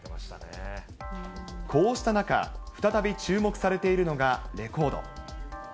こうした中、再び注目されているのが、レコード。